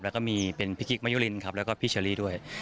แล้วก็มีเป็นพี่กิ๊กมายุลินครับแล้วก็พี่เชอรี่ด้วย